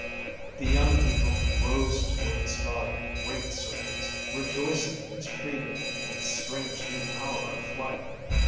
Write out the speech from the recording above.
The young eagle rose toward the sky in great circles, rejoicing in its freedom and its strange, new power of flight.